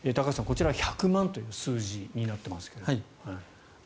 こちら、１００万という数字になっていますが。